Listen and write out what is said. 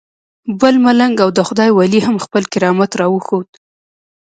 بل ملنګ او د خدای ولی هم خپل کرامت راوښود.